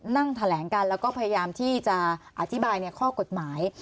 นั่งแถลงกันแล้วก็พยายามที่จะอธิบายในข้อกฎหมาย